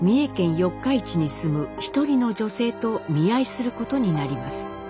四日市に住む一人の女性と見合いすることになります。